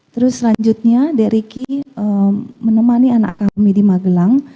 terus selanjutnya drk menemani anak kami di magelang